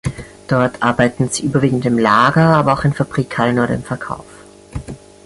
Dort arbeiten sie überwiegend im Lager, aber auch in Fabrikhallen oder im Verkauf.